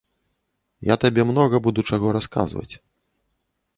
Я табе многа буду чаго расказваць.